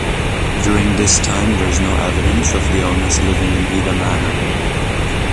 During this time there is no evidence of the owners living in either manor.